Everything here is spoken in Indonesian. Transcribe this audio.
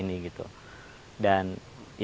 dan sekarang kita bisa bilang kita ada perusahaan